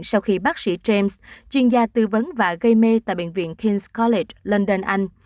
sau khi bác sĩ james chuyên gia tư vấn và gây mê tại bệnh viện king s college london anh